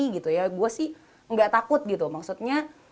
gitu ya gue sih gak takut gitu maksudnya